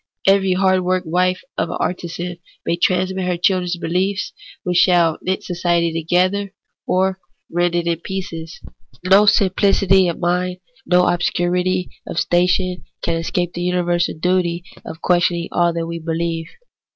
Every hard worked wife of an artisan may transmit to her children behefs which shall knit society together, or rend it in pieces. No simplicity of mind, no obscurity of station, can escape the universal duty of questioning all that we beheve.